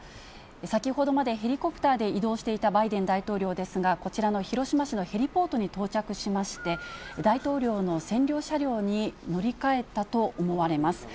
先ほどまで、ヘリコプターで移動していたバイデン大統領ですが、こちらの広島市のヘリポートに到着しまして、大統領の専用車両に乗り換えたと思われます。